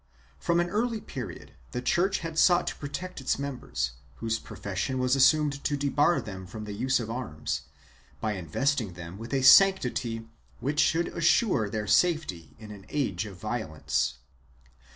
From an early period the Church had sought to protect its members, whose profession was assumed to debar them from the use of arms, by investing them with a sanctity which should assure their safety in an age of violence.